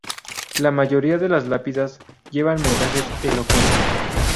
La mayoría de las lápidas llevan mensajes elocuentes.